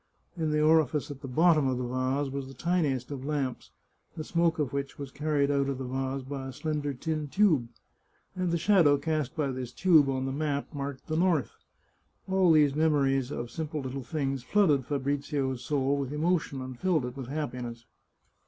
In the orifice at the bottom of the vase was the tiniest of lamps, the smoke of which was carried out of the vase by a slender tin tube, and the shadow cast by this tube on the map marked the north. All these memories of simple little things flooded Fabrizio's soul with emotion and filled it with happiness.